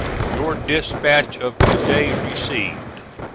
"Your dispatch of to day received.